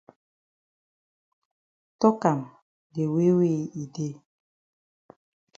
Tok am de way wey e dey.